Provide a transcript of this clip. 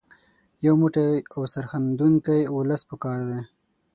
یو موټی او سرښندونکی ولس په کار دی.